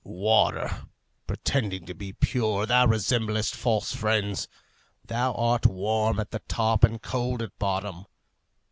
"Water! pretending to be pure, thou resemblest false friends. Thou art warm at the top and cold at bottom."